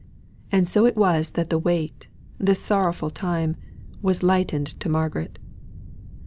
And so it was that the weight, this sorrowful time, was lightened to Margaret.